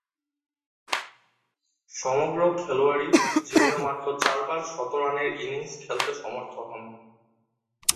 সমগ্র খেলোয়াড়ী জীবনে মাত্র চারবার শতরানের ইনিংস খেলতে সমর্থ হন।